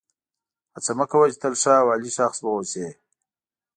هڅه مه کوه چې تل ښه او عالي شخص واوسې.